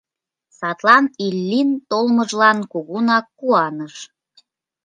Садлан Иллин толмыжлан кугунак куаныш.